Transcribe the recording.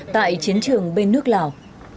tại chiến trường bên nước lào